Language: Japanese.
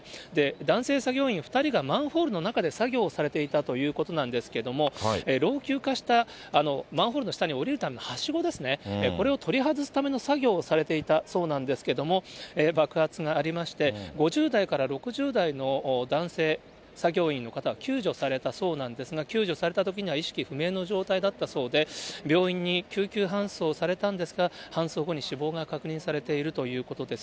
男性作業員２人がマンホールの中で作業をされていたということなんですけども、老朽化したマンホールの下に下りるためのはしごですね、これを取り外すための作業をされていたそうなんですけども、爆発がありまして、５０代から６０代の男性作業員の方、救助されたそうなんですが、救助されたときには意識不明の状態だったそうで、病院に救急搬送されたんですが、搬送後に死亡が確認されているということです。